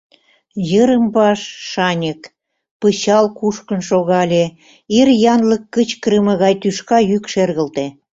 Йырым-ваш шаньык, пычал кушкын шогале, ир янлык кычкырыме гай тӱшка йӱк шергылте.